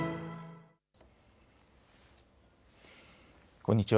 こんにちは。